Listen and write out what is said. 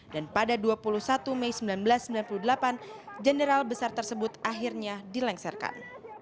dan pada dua puluh satu mei seribu sembilan ratus sembilan puluh delapan jenderal besar tersebut akhirnya dilengsarkan